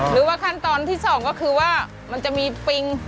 หรือว่าขั้นตอนที่สองก็คือว่ามันจะมีปิง